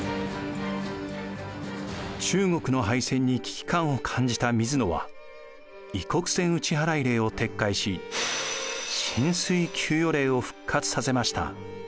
中国の敗戦に危機感を感じた水野は異国船打払令を撤回し薪水給与令を復活させました。